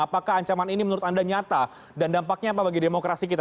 apakah ancaman ini menurut anda nyata dan dampaknya apa bagi demokrasi kita